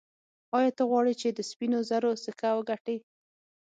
ایا ته غواړې چې د سپینو زرو سکه وګټې.